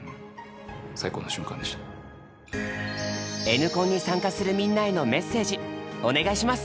「Ｎコン」に参加するみんなへのメッセージお願いします！